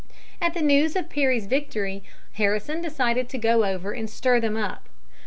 At the news of Perry's victory, Harrison decided to go over and stir them up.